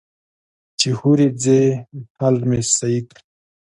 چې هورې ځې خال مې سهي کړه.